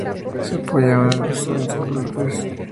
Se apoyaban en los Sans-culottes.